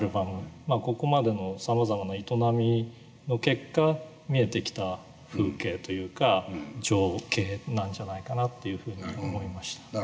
ここまでのさまざまな営みの結果見えてきた風景というか情景なんじゃないかなっていうふうに思いました。